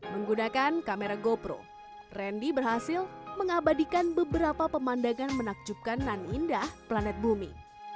menggunakan kamera gopro randy berhasil mengabadikan beberapa pemandangan menakjubkan dan indah planet bumi